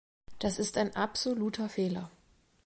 Das ist ein absoluter Fehler.